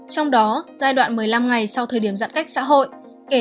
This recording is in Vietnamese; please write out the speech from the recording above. trong đó giai đoạn một mươi năm ngày sau thời điểm giãn cách xã hội